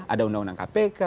ada undang undang kpk